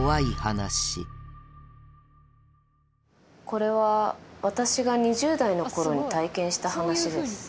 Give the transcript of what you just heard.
これは私が２０代の頃に体験した話です